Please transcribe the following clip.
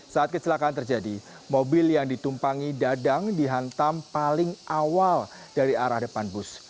saat kecelakaan terjadi mobil yang ditumpangi dadang dihantam paling awal dari arah depan bus